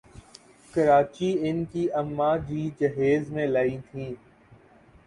کراچی ان کی اماں جی جہیز میں لائیں تھیں ۔